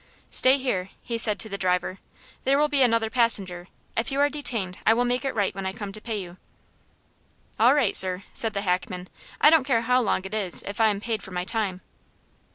"Stay here," he said to the driver. "There will be another passenger. If you are detained I will make it right when I come to pay you." "All right, sir," said the hackman. "I don't care how long it is if I am paid for my time."